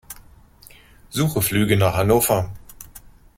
Suche Flüge nach Hannover.